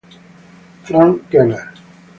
Franz Keller